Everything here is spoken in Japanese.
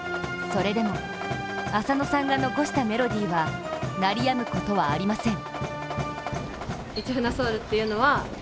それでも浅野さんが残したメロディーは鳴りやむことはありません。